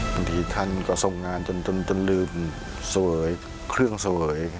ท่านก็ทรงงานจนลืมเสวยเครื่องเสวย